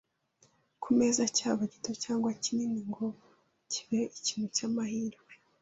ku meza cyaba gito cyangwa kinini ngo kibe ikintu cy’amahirwe